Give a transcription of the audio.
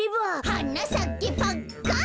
「はなさけパッカン」